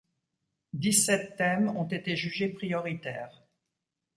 Dix-sept thèmes ont été jugés prioritaires.